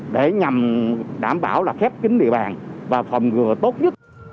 để nhằm đảm bảo là khép kín địa bàn và phòng ngừa tốt nhất